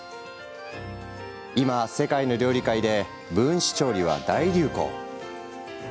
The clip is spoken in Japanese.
今、世界の料理界で分子調理は大流行。